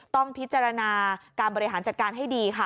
ต้องพิจารณาการบริหารจัดการให้ดีค่ะ